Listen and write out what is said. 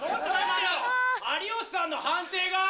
有吉さんの判定が。